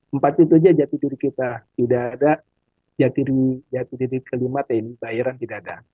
empat jati diri itu saja jati diri kita tidak ada jati diri kelima tni